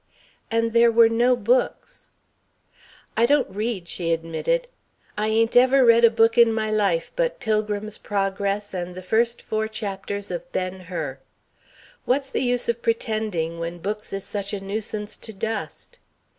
And there were no books. "I don't read," she admitted; "I ain't ever read a book in my life but "Pilgrim's Progress" and the first four chapters of "Ben Hur." What's the use of pretending, when books is such a nuisance to dust?